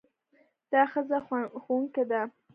دا ښځه ښوونکې ده.